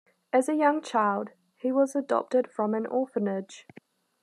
As a young child, he was adopted from an orphanage.